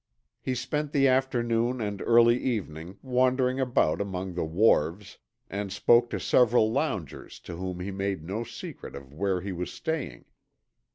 He spent the afternoon and early evening wandering about among the wharves and spoke to several loungers to whom he made no secret of where he was staying.